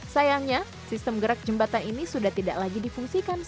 sayangnya sistem gerak jembatan ini sudah tidak lagi difungsikan